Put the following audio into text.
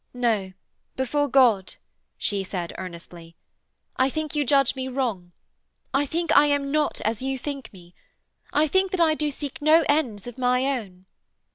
'No, before God,' she said earnestly, 'I think you judge me wrong. I think I am not as you think me. I think that I do seek no ends of my own.'